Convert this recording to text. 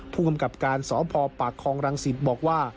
ผู้กำกับการสพปากคลองรังสิตบอกว่า